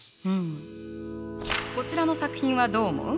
こちらの作品はどう思う？